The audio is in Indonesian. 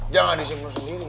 jangan disimpul sendiri